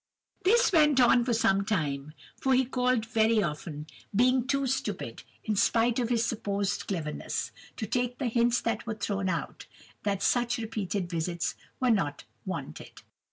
"This went on for some time, for he called very often, being too stupid, in spite of his supposed cleverness, to take the hints that were thrown out, that such repeated visits were not wanted.